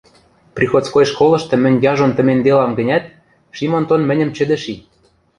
Приходской школышты мӹнь яжон тыменьделам гӹнят, Шим Онтон мӹньӹм чӹдӹ ши.